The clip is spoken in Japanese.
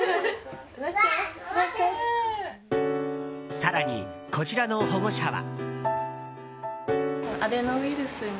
更に、こちらの保護者は。